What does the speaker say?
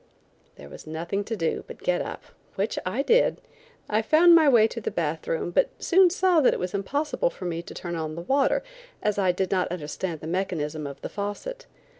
There was nothing to do but to get up, which I did. I found my way to the bath room, but soon saw that it was impossible for me to turn on the water, as I did not understand the mechanism of the faucet.